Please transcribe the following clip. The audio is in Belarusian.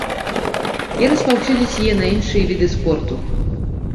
І распаўсюдзіць яе на іншыя віды спорту.